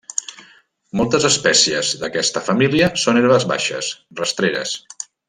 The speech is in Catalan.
Moltes espècies d'aquesta família són herbes baixes, rastreres.